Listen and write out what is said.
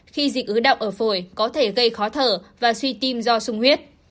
khi dịch ứ động ở phổi có thể gây khó thở và suy tim do sung huyết